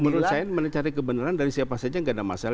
menurut saya mencari kebenaran dari siapa saja tidak ada masalah